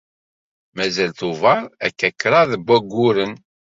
Mazal Tubeṛ akka kraḍ n wagguren.